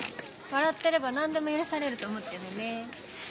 笑ってれば何でも許されると思ってるのよね。